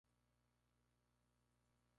Once More